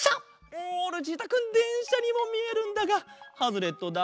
おルチータくんでんしゃにもみえるんだがハズレットだ。